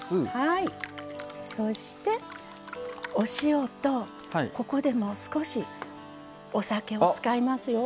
そしてお塩とここでも少しお酒を使いますよ。